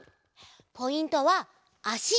ポイントはあし。